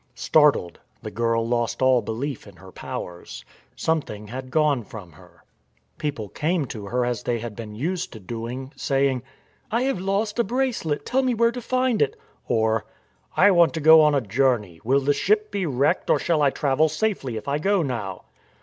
Startled, the girl lost all belief in her powers. Some thing had gone from her. People came to her, as they had been used to doing, saying: " I have lost a bracelet : tell me where to find it." Or, " I want to go on a journey : will the ship be wrecked or shall I travel safely if I go now?